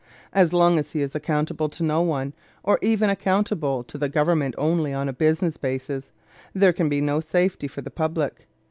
As long as he is accountable to no one, or even accountable to the Government only on a business basis, there can be no safety for the public.